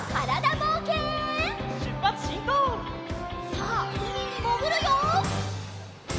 さあうみにもぐるよ！